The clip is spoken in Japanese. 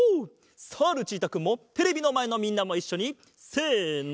さあルチータくんもテレビのまえのみんなもいっしょにせの。